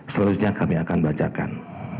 selanjutnya kami akan bacakan